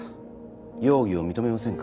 容疑を認めませんか。